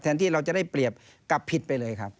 ที่เราจะได้เปรียบกลับผิดไปเลยครับ